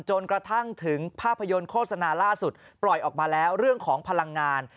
จนกระทั่งถึงภาพยนตร์โฆษณาล่าสุดปล่อยออกมาแล้วเรื่องของพลังงาน